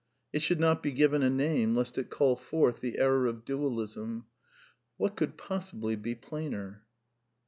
^ y It should not he given a name, lest it call forth the error of \y dualism/* (xlvi.) (What could possibly be plainer